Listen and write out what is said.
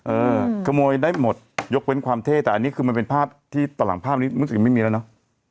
เออขโมยได้หมดยกเว้นความเท่แต่อันนี้คือมันเป็นภาพที่ตอนหลังภาพนี้รู้สึกไม่มีแล้วเนอะ